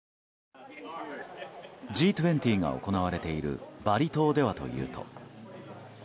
Ｇ２０が行われているバリ島ではというと。